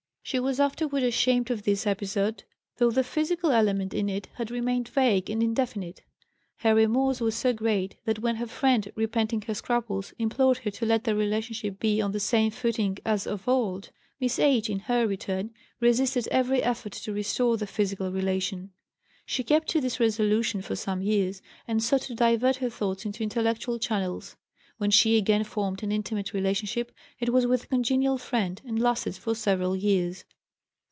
She was afterward ashamed of this episode, though the physical element in it had remained vague and indefinite. Her remorse was so great that when her friend, repenting her scruples, implored her to let their relationship be on the same footing as of old, Miss H., in her return, resisted every effort to restore the physical relation. She kept to this resolution for some years, and sought to divert her thoughts into intellectual channels. When she again formed an intimate relationship it was with a congenial friend, and lasted for several years.